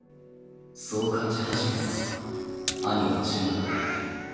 そう感じ始めた頃兄は中学に上がり水球を始めた。